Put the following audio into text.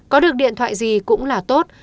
có được điện thoại gì cũng là tốt